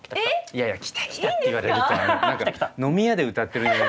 いやいや「きたきた」って言われると何か飲み屋で歌ってるみたい。